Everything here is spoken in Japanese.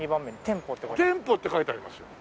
店舗って書いてありますよ。